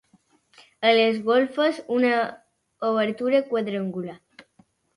A les golfes, una obertura quadrangular.